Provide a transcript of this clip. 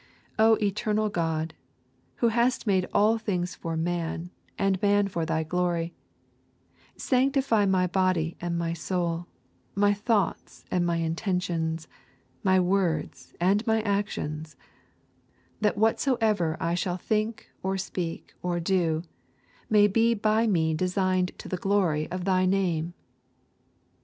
'O Eternal God, Who hast made all things for man, and man for Thy glory, sanctify my body and my soul, my thoughts and my intentions, my words and my actions, that whatsoever I shall think or speak or do may be by me designed to the glory of Thy name.